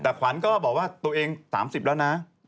แต่ขวัญก็บอกว่าตัวเอง๓๐แล้วนะ